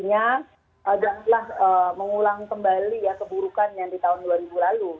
janganlah mengulang kembali ya keburukannya di tahun dua ribu lalu